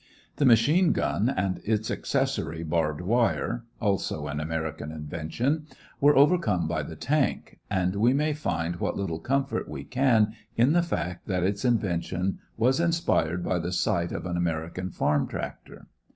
The machine gun and its accessory, barbed wire (also an American invention), were overcome by the tank; and we may find what little comfort we can in the fact that its invention was inspired by the sight of an American farm tractor.